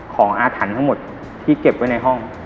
อาถรรพ์ทั้งหมดที่เก็บไว้ในห้อง